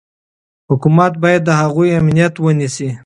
حکومت باید د هغوی امنیت ونیسي.